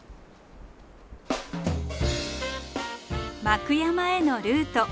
幕山へのルート。